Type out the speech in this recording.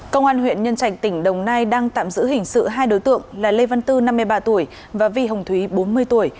công an huyện nhân trạch tỉnh đồng nai đang tạm giữ hình sự hai đối tượng là lê văn tư năm mươi ba tuổi và vi hồng thúy bốn mươi tuổi